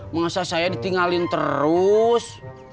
mengasah saya ditinggalin terus